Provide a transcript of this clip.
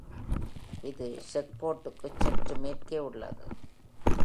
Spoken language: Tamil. இது ஷெஃபோர்டுக்குச் சற்று மேற்கே உள்ளது.